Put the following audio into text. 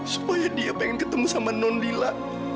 supaya dia pengen ketemu sama nonila